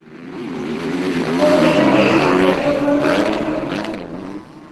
তোর এটাকে কাকতালীয় ঘটনা মনে হয়?